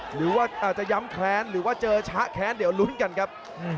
หรือว่าอาจจะย้ำแค้นหรือว่าเจอชะแค้นเดี๋ยวลุ้นกันครับ